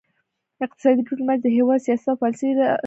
اقتصادي ډیپلوماسي د هیواد سیاست او پالیسي سره رغند رول لوبوي